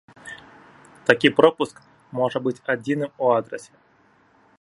Такі пропуск можа быць адзіным у адрасе.